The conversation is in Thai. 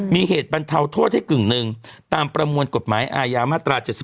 มีเหตุบรรเทาโทษให้กึ่งหนึ่งตามประมวลกฎหมายอาญามาตรา๗๒